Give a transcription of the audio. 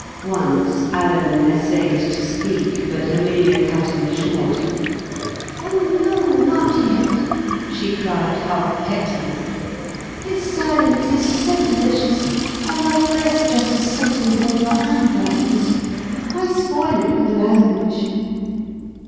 Once Alan essayed to speak, but Herminia cut him short. "Oh, no, not yet," she cried half petulantly; "this silence is so delicious. I love best just to sit and hold your hand like this. Why spoil it with language?"